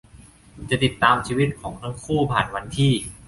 จะติดตามชีวิตของทั้งคู่ผ่านวันที่